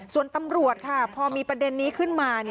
ส่วนตำรวจค่ะพอมีประเด็นนี้ขึ้นมา